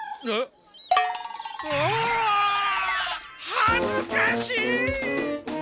はずかしい！